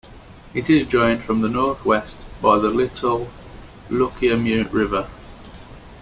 It is joined from the northwest by the Little Luckiamute River.